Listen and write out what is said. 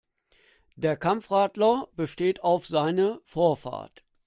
Der Kampfradler besteht auf seine Vorfahrt.